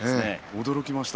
驚きました。